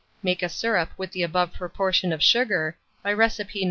Make a syrup with the above proportion of sugar, by recipe No.